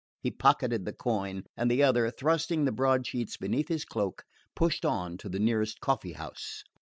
He pocketed the coin, and the other, thrusting the broadsheets beneath his cloak, pushed on to the nearest coffee house.